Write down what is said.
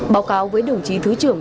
báo cáo với đồng chí thứ trưởng